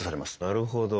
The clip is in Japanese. なるほど。